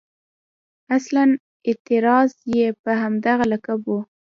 اصلاً اعتراض یې په همدغه لقب و.